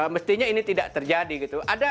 mestinya ini tidak terjadi gitu